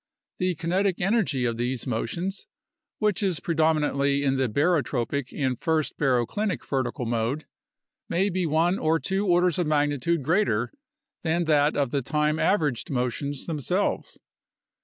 The kinetic energy of these motions, which is pre dominantly in the barotropic and first baroclinic vertical mode, may be one or two orders of magnitude greater than that of the time averaged motions themselves.